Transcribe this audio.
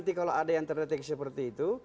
nanti kalau ada yang terdeteksi seperti itu